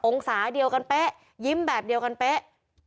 องศาเดียวกันเป๊ะยิ้มแบบเดียวกันเป๊ะ